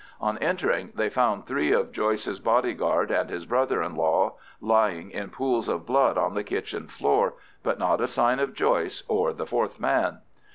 On entering they found three of Joyce's bodyguard and his brother in law lying in pools of blood on the kitchen floor, but not a sign of Joyce or the fourth man.